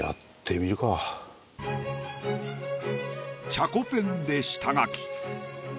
チャコペンで下描き。